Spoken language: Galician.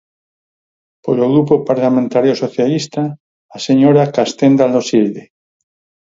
Polo Grupo Parlamentario Socialista, a señora Castenda Loxilde.